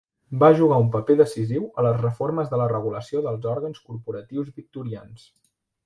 Va jugar un paper decisiu a les reformes de la regulació dels òrgans corporatius victorians.